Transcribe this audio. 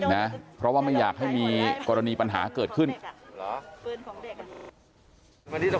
แต่เราก็ไม่อยากให้เกิดปัญหาแค่นั้นเองนะ